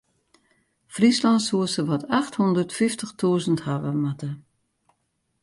Fryslân soe sawat acht hûndert fyftich tûzen hawwe moatte.